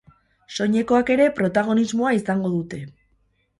Soinekoak ere protagonismoa izango dute.